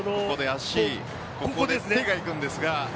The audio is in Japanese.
ここで手がいくんですが。